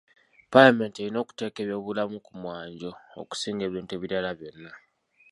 Paalamenti erina okuteeka eby'obulamu ku mwanjo okusinga ebintu ebirala byonna.